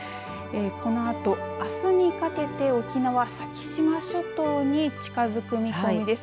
このあと、あすにかけて沖縄、先島諸島に近づく見込みです。